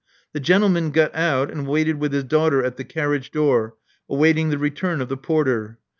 The gentleman got out, and waited with his daughter at the carriage door, awaiting the return of the porter.